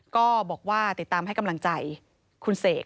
ก็บอกว่าติดตามให้กำลังใจคุณเสก